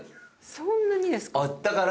そんなにですか？